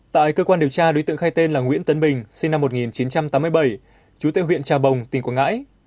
tại cơ quan điều tra đối tượng khai tên là nguyễn tấn bình sinh năm một nghìn chín trăm tám mươi bảy chú tại huyện trà bồng tỉnh quảng ngãi